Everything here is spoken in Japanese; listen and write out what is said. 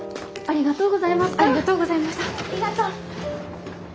ありがとう。